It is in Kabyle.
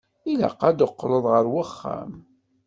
Ilaq ad teqqleḍ ar wexxam.